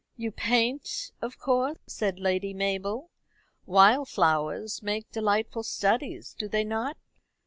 "You paint of course," said Lady Mabel. "Wild flowers make delightful studies, do they not?"